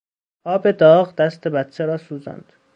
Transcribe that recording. آب داغ دست بچه را سوزاند.